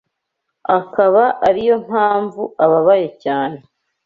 akaba ari yo mpamvu ababaye cyane